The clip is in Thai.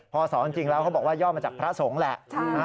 พอสอนจริงแล้วเขาบอกว่าย่อมาจากพระสงฆ์แหละ